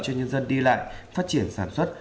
cho nhân dân đi lại phát triển sản xuất